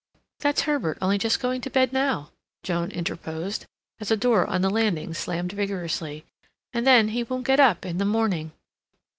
("That's Herbert only just going to bed now," Joan interposed, as a door on the landing slammed vigorously. "And then he won't get up in the morning.")